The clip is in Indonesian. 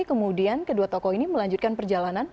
kemudian kedua tokoh ini melanjutkan perjalanan